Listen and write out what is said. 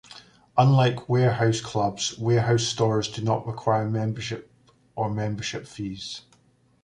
Unlike warehouse clubs, warehouse stores do not require a membership or membership fees.